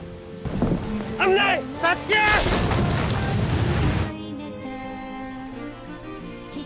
危ない！